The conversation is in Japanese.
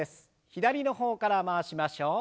左の方から回しましょう。